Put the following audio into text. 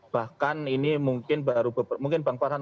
bahkan ini mungkin bang farhan